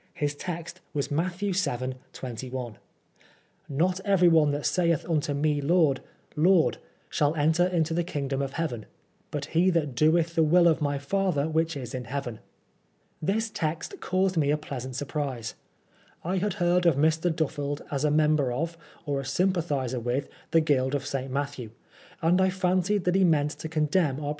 His text was Matthew vii., 21 :" Not everyone that saith unto me Lord, Lord, shall enter into the kingdom of heaven ; but he that doeth the will of my father which is in heaven." This text caused me a pleasant surprise. I had heard of Mr. Duffeld as a member of, or a sympathiser with, the Guild of St. Matthew ; and I fancied that he meant to condemn our.